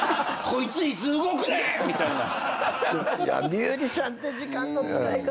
ミュージシャンって時間の使い方難しいな。